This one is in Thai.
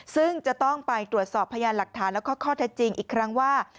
ซึ่งจะต้องไปตรวจสอบพยานหลักฐานแล้วก็ข้อเท็จจริงอีกครั้งว่า